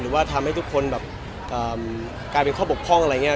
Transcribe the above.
หรือว่าทำให้ทุกคนแบบกลายเป็นข้อบกพร่องอะไรอย่างนี้